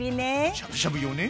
しゃぶしゃぶ用ね。